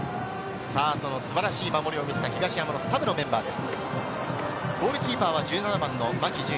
素晴らしい守りを見せた東山のサブのメンバーです。